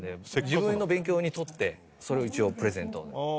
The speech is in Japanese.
自分の勉強用に録ってそれを一応プレゼント。